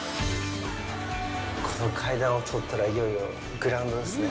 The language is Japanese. この階段を通ったら、いよいよグラウンドですね。